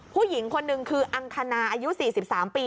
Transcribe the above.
ผู้หญิงคนหนึ่งคืออังคณาอายุ๔๓ปี